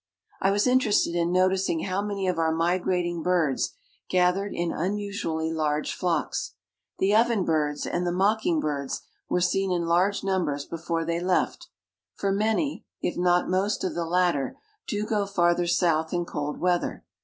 I was interested in noticing how many of our migrating birds gathered in unusually large flocks. The oven birds and the mocking birds were seen in large numbers before they left, for many, if not most of the latter, do go farther South in cold weather.